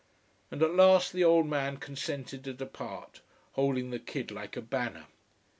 And at last the old man consented to depart, holding the kid like a banner.